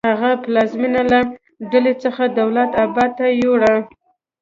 هغه پلازمینه له ډیلي څخه دولت اباد ته یوړه.